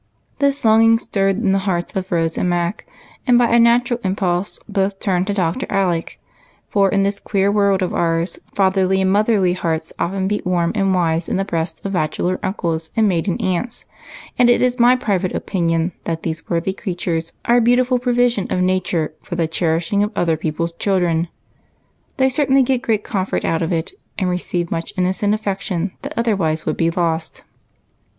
This longing stirred in the hearts of Rose and Mac, and by a natural impulse both turned to Dr. Alec, for in this queer world of ours, fatherly and motherly hearts often beat warm and wise in the breasts of 222 EIGHT COUSINS. bachelor uncles and maiden aunts ; and it is my private opinion that these worthy creatures are a beautiful provision of nature for the cherishing of other people's children. They certainly get great comfort out of it, and receive much innocent affection that otherwise would be lost.